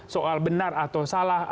soal benar atau salah